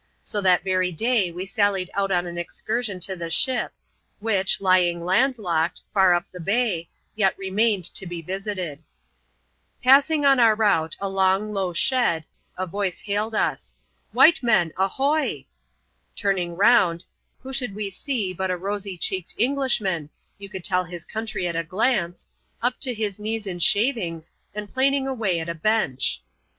So that very day we sallied out on an excur sion to the ship, which, lying land locked, far up the bay, yet remained to be visited. Passing, on our route, a long, low shed, a voice hailed us —'^ White men, ahoy \" Turmn^ TO\mfiL^ ^\yci should we see but B roajr cheeked Englishman (joxx wvi^.^ \.^\s» ^\s^kq^ ^v CHAP, lxxvl] an island JILT. 293 glance), up to his knees in shavings, and planing away at a bench.